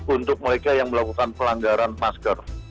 untuk mereka yang melakukan pelanggaran masker